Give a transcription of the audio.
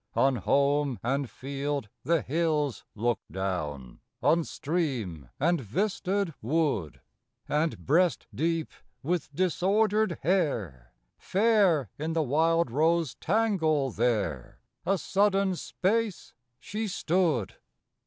On home and field the hills look down, On stream and vistaed wood; And breast deep, with disordered hair, Fair in the wildrose tangle there, A sudden space she stood.